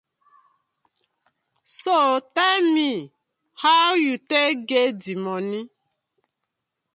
So tell me, how yu tak get di moni?